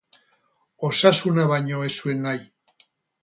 Osasuna baino ez zuen nahi.